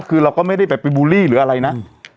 คือเราก็ไม่ได้แบบไปบูลลี่หรืออะไรนะ